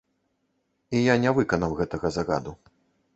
І я не выканаў гэтага загаду.